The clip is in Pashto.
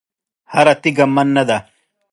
هره تېږه من نه ده.